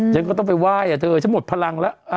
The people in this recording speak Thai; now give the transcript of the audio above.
ฉันก็ต้องไปไหว้อ่ะเธอฉันหมดพลังแล้ว